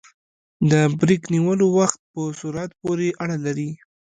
د بریک نیولو وخت په سرعت پورې اړه لري